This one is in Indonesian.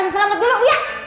iya kasih selamat dulu iya